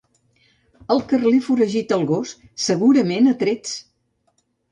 El carlí foragita el gos, segurament a trets.